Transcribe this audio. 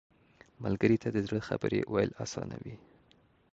ملګری ته د زړه خبرې ویل اسانه وي